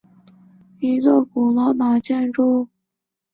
盖维拱门是意大利北部城市维罗纳的一座古罗马建筑。